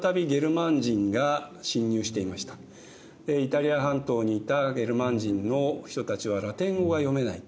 イタリア半島にいたゲルマン人の人たちはラテン語が読めない。